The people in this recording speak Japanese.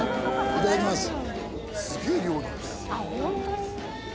いただきます。